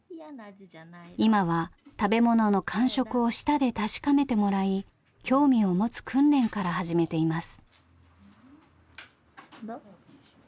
今は食べ物の感触を舌で確かめてもらい興味を持つ訓練から始めています。